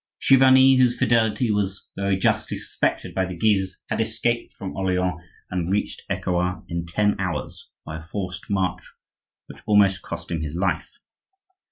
Chiverni, whose fidelity was very justly suspected by the Guises, had escaped from Orleans and reached Ecouen in ten hours, by a forced march which almost cost him his life.